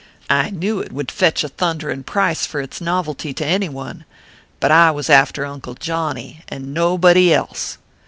I knew it would fetch a thunderin price fur its novelty to any one ; but I was after Uncle Johnny, and nobody else.